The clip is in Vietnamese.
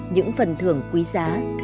những phần thưởng quý giá